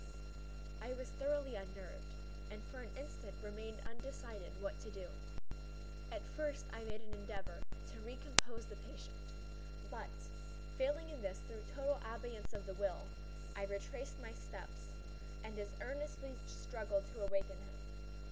I was thoroughly unnerved, and for an instant remained undecided what to do. At first I made an endeavor to recompose the patient; but, failing in this through total abeyance of the will, I retraced my steps and as earnestly struggled to awaken him.